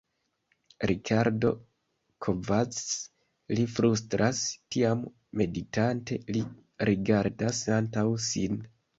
Rikardo Kovacs li flustras; tiam meditante li rigardas antaŭ sin.